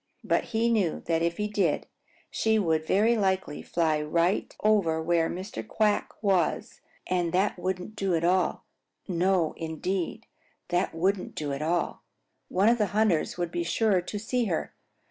But he knew that if he did, she would very likely fly right over where Mr. Quack was, and that wouldn't do at all. No, indeed, that wouldn't do at all. One of the hunters would be sure to see her.